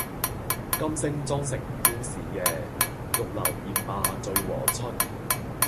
金星妝成嬌侍夜，玉樓宴罷醉和春。